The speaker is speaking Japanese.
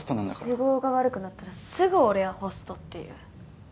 都合が悪くなったらすぐ「俺はホスト」って言う。